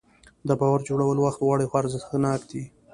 د باور جوړول وخت غواړي خو ارزښتناک دی.